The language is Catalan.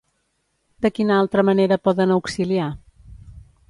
De quina altra manera poden auxiliar?